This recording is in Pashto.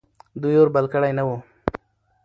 دوی اور بل کړی نه و.